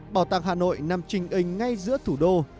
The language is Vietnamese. bảo tàng hà nội nằm trình ịnh ngay giữa thủ đô